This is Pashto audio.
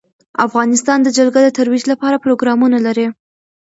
افغانستان د جلګه د ترویج لپاره پروګرامونه لري.